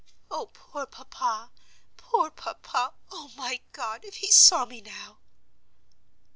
"Oh, poor papa! poor papa! Oh, my God, if he saw me now!"